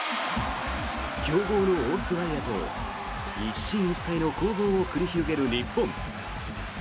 強豪のオーストラリアと一進一退の攻防を繰り広げる日本。